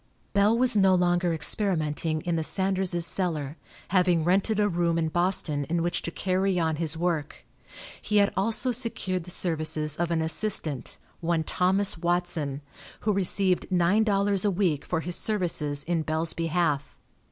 Bell was no longer experimenting in the Sanderses' cellar, having rented a room in Boston in which to carry on his work. He had also secured the services of an assistant, one Thomas Watson, who received nine dollars a week for his services in Bell's behalf.